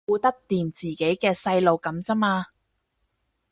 顧得掂自己嘅細路噉咋嘛